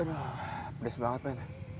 aduh pedas banget men